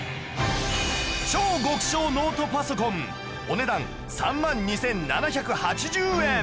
超極小ノートパソコンお値段３万２７８０円